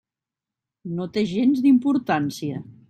No té gens d'importància.